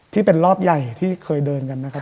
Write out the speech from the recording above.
ที่เป็นรอบใหญ่ที่เคยเดินกันนะครับ